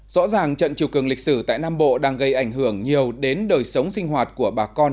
rõ ràng trận chiều cường lịch sử tại nam bộ đang gây ảnh hưởng nhiều đến đời sống sinh hoạt của bà con